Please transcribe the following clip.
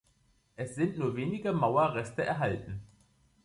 Es sind nur wenige Mauerreste erhalten.